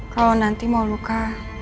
kalau nanti moluka